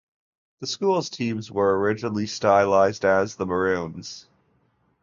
The school's teams were originally stylized as the "Maroons".